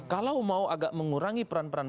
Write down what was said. kalau mau agak mengurangi peran peran